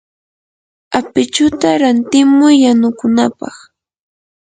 apichuta rantimuy yanukunapaq.